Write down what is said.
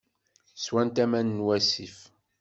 Swant aman n wasif.